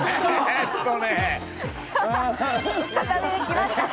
再び来ました。